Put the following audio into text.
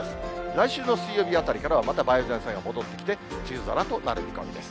来週の水曜日あたりからは、また梅雨前線が戻ってきて、梅雨空となる見込みです。